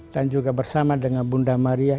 dan juga bersama dengan bunda maria